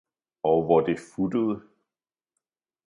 og hvor det futtede.